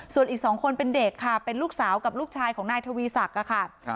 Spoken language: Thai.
ส่วนอีก๒คนเป็นเด็กค่ะเป็นลูกสาวกับลูกชายของนายทวีศักดิ์ค่ะ